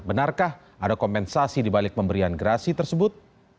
benarkah ada kompensasi dibalik pemberian gerasi tersebut